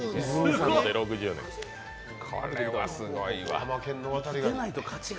これはすごいわ。